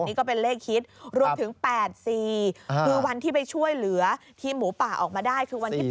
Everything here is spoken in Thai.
นี่ก็เป็นเลขฮิตรวมถึง๘๔คือวันที่ไปช่วยเหลือทีมหมูป่าออกมาได้คือวันที่๘